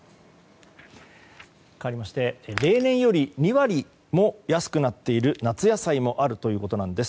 かわりまして例年より２割も安くなっている夏野菜もあるということです。